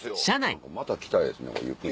何かまた来たいですねゆっくり。